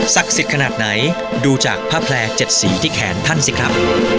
สิทธิ์ขนาดไหนดูจากผ้าแพร่๗สีที่แขนท่านสิครับ